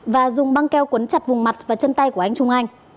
và dùng băng keo quấn chặt vùng mặt và chân tay của anh trung anh